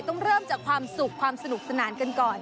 ต้องเริ่มจากความสุขความสนุกสนานกันก่อน